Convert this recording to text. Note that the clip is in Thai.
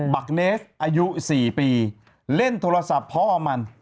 บักเนสอายุ๔ปีเล่นโทรศัพท์พ่อมัน